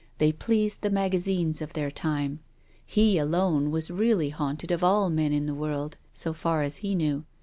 They pleased the magazines of their time. He alone was really haunted of all men in the world, so far as he knew.